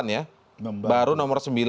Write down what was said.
delapan ya baru nomor